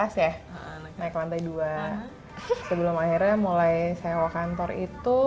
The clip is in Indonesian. sebelum akhirnya mulai sewa kantor itu